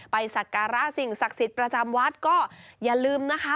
ไปศักราษิงศ์ศักดิ์สิทธิ์ประจำวัดก็อย่าลืมนะคะ